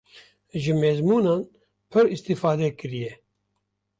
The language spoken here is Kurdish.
ji mezmûnan pir îstîfade kiriye.